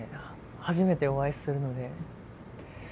初めてお会いするので。